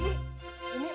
ini emak bukan re rek